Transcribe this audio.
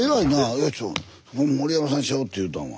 「よし森山さんにしよ！」って言うたんは。